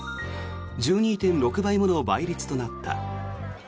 １２．６倍もの倍率となった。